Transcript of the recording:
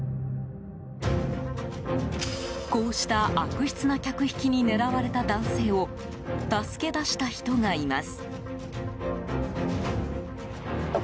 こうした悪質な客引きに狙われた男性を助け出した人がいます。